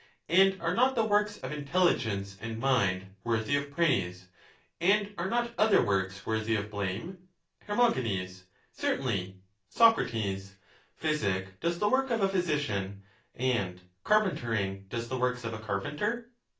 And are not the works of intelligence and mind worthy of praise, and are not other works worthy of blame? Her. Certainly. Soc. Physic does the work of a physician, and carpentering does the works of a carpenter?